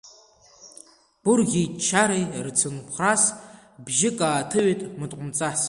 Гәырӷьеи ччареи рцымхәрас, бжьык ааҭыҩит мыткәмаҵас.